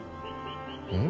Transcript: うん？